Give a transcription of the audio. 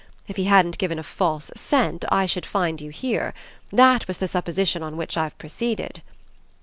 If he hadn't given a false scent I should find you here: that was the supposition on which I've proceeded."